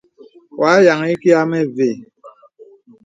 Wɔ̄ a yìaŋə ìkì a mə ve.